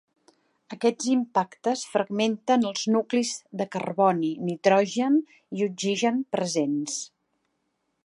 Aquests impactes fragmenten els nuclis de carboni, nitrogen i oxigen presents.